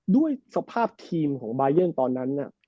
ด้วยสภาพทีมของบายเยิ้ลตอนนั้นน่ะ